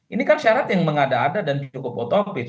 ini kan syarat yang mengada ada dan cukup otopis